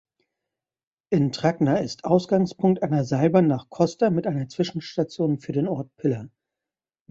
Intragna ist Ausgangspunkt einer Seilbahn nach Costa mit einer Zwischenstation für den Ort Pila.